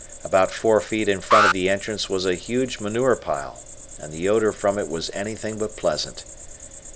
About four feet in front of the entrance was a huge manure pile, and the odor from it was anything but pleasant.